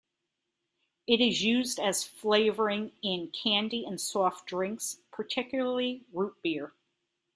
It is used as a flavoring in candy and soft drinks, particularly root beer.